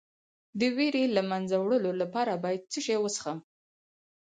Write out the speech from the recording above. د ویرې د له منځه وړلو لپاره باید څه شی وڅښم؟